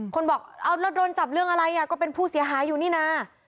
คนบอกเอาแล้วโดนจับเรื่องอะไรก็เป็นผู้เสียหายอยู่นี่นะ